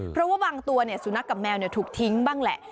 เพราะว่าบางตัวสุนัขกับแมวถูกทิ้งบ้างแหละ